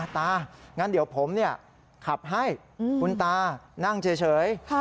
ตางั้นเดี๋ยวผมขับให้คุณตานั่งเฉย